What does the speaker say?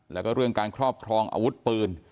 แล้วก็เรื่องการครอบครองอาวุธปืน